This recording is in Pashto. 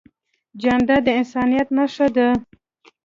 جانداد د انسانیت نښه ده.